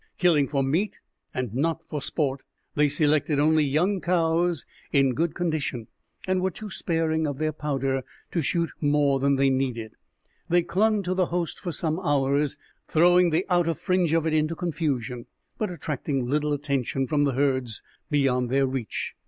Killing for meat and not for sport, they selected only young cows in good condition, and were too sparing of their powder to shoot more than they needed. They clung to the host for some hours, throwing the outer fringe of it into confusion, but attracting little attention from the herds beyond their reach.